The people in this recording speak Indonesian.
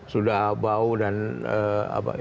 sudah bau dan apa